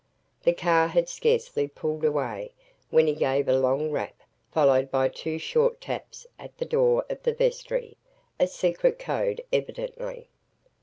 The car had scarcely pulled away, when he gave a long rap, followed by two short taps, at the door of the vestry, a secret code, evidently.